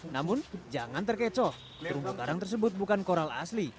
namun jangan terkecoh terumbu karang tersebut bukan koral asli